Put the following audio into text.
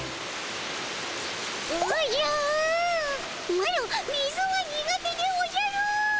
マロ水は苦手でおじゃる。